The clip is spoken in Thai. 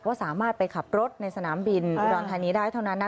ว่าสามารถไปขับรถในสนามบินรอนทางนี้ได้เท่านั้น